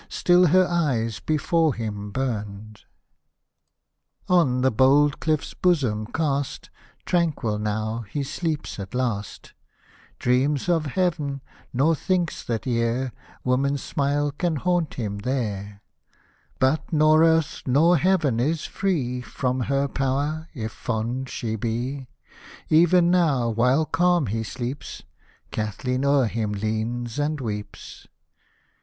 Still her eyes before him burned. Hosted by Google BY THAT LAKE, WHOSE GLOOiMY SHORE 25 On the bold cliff's bosom cast, Tranquil now he sleeps at last ; Dreams of heav'n, nor thinks that e'er Woman's smile can haunt him there. But nor earth nor heaven is free From her power, if fond she be : Even now, while calm he sleeps, Kathleen o'er him leans and weeps.